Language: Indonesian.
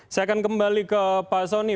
saya akan kembali ke pak soni